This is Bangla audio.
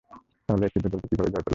তাহলে এই ক্ষুদ্র দলটি কিভাবে জয় পেল।